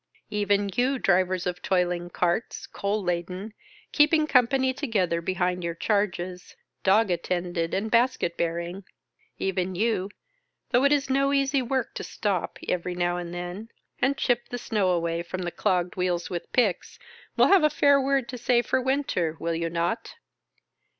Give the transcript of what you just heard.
Even you, drivers of toiling carts, coal laden, keeping company together behind your charges, dog attended and basket bear ing : even you, though it is no easy work to stop, every now and then, and chip the snow away from the clogged wheels with picks, will have a fair word to say for winter, will you not